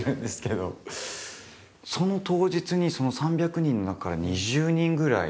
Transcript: その当日に３００人の中から２０人ぐらい。